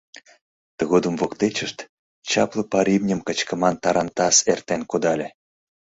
Тыгодым воктечышт чапле пар имньым кычкыман тарантас эртен кудале.